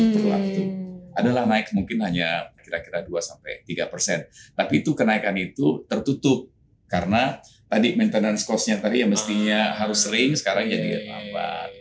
nah kemudian kemudian naik mungkin hanya kira kira dua tiga tapi itu kenaikan itu tertutup karena tadi maintenance costnya tadi ya mestinya harus sering sekarang jadi dapat